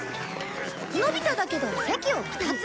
のび太だけど席を２つ。